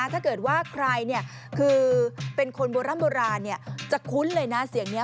ถ้าเกิดว่าใครคือเป็นคนโบร่ำโบราณจะคุ้นเลยนะเสียงนี้